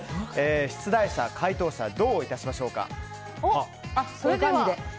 出題者、解答者はどういたしましょうか。